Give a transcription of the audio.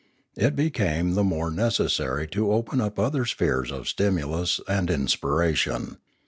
Thus it became the more Ethics 565 necessary to open up other spheres of stimulus and in spiration.